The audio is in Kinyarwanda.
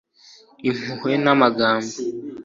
impuhwe n' amagambo